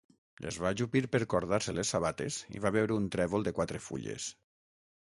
Es va ajupir per cordar-se les sabates i va veure un trèvol de quatre fulles.